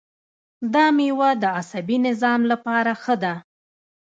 دا میوه د عصبي نظام لپاره ښه ده.